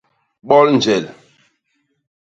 Bol njel.